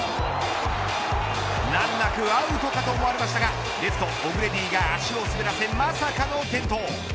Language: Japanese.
難なくアウトかと思われましたがレフト、オグレディが足を滑らせまさかの転倒。